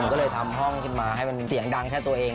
ก็เลยทำห้องขึ้นมาให้มันเป็นเสียงดังแค่ตัวเอง